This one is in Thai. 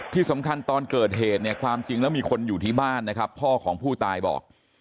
ที่สำคัญตอนเกิดเหตุเนี่ยความจริงแล้วมีคนอยู่ที่บ้านนะครับพ่อของผู้ตายบอก